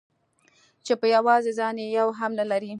چې په يوازې ځان يې يو هم نه لري.